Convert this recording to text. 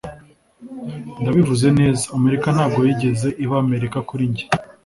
Ndabivuze neza, Amerika ntabwo yigeze iba Amerika kuri njye,